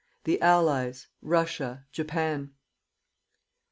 THE ALLIES RUSSIA JAPAN.